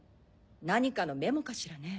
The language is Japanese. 何かのメモかしらね。